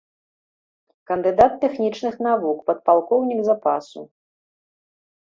Кандыдат тэхнічных навук, падпалкоўнік запасу.